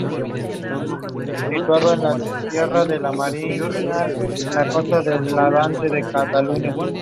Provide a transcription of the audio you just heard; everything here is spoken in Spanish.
Manrique sobrevivió con algunas lesiones.